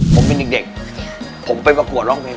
ผมเป็นเด็กผมไปประกวดร้องเพลง